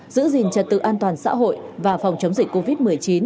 giữ gìn trật tự an toàn xã hội và phòng chống dịch covid một mươi chín